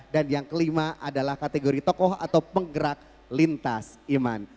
dan yang kelima adalah kategori tokoh atau penggerak lintas iman